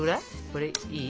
これいい？